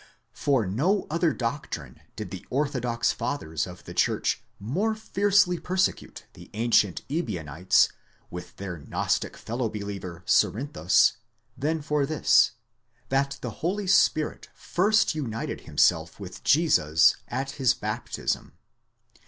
For no other doc trine did the orthodox fathers of the church more fiercely persecute the ancient Ebionites,® with their gnostic fellow believer Cerinthus,® than for this: that the Holy Spirit first united himself with Jesus at his baptism.